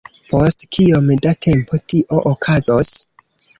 Post kiom da tempo tio okazos?